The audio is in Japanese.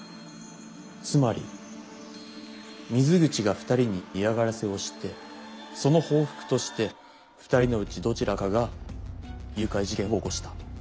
つまり水口が２人に嫌がらせをしてその報復として２人のうちどちらかが誘拐事件を起こした。